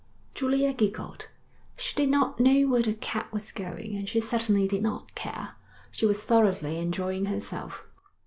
Julia giggled. She did not know where the cab was going, and she certainly did not care. She was thoroughly enjoying herself.